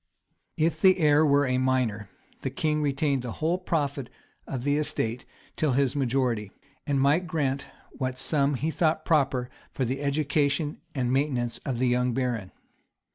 If the heir were a minor, the king retained the whole profit of the estate till his majority; and might grant what sum he thought proper for the education and maintenance of the young baron.